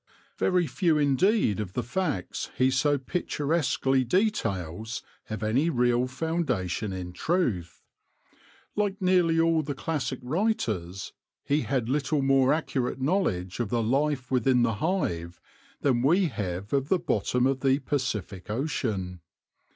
Very few indeed of the facts he so picturesquely details have any real founda tion in truth. Like nearly all the classic writers, he had little more accurate knowledge of the life within the hive than we have of the bottom of the Pacific Ocean.